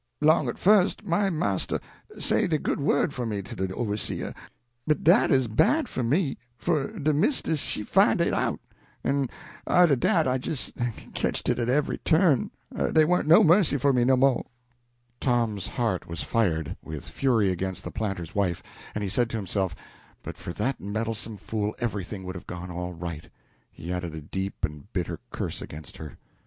'Long at fust my marster say de good word for me to de overseer, but dat 'uz bad for me; for de mistis she fine it out, en arter dat I jist ketched it at every turn dey warn't no mercy for me no mo'." Tom's heart was fired with fury against the planter's wife; and he said to himself, "But for that meddlesome fool, everything would have gone all right." He added a deep and bitter curse against her.